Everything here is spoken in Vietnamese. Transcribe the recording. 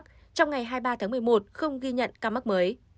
trong ngày hai mươi ba tháng một mươi một không ghi nhận ca mắc mới